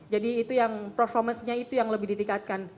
jadi performance nya itu yang lebih ditingkatkan